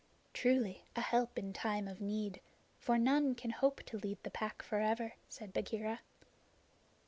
"Truly, a help in time of need; for none can hope to lead the Pack forever," said Bagheera.